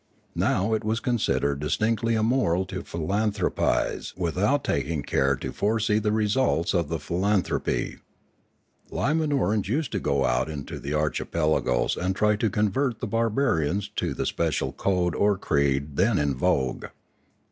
Now it was considered distinctly immoral to philanthropise without taking care to foresee the results of the philanthropy. Liman orans used to go out into the archipelagos and try to convert the barbarians to the special code or creed then in vogue.